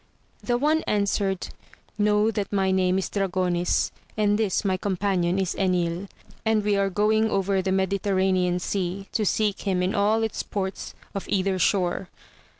The one answered, Eaiow that my name is Dragonis, and this my companion is Enil; and we are going over the Mediterranean Sea, to seek him in all its ports of either shore.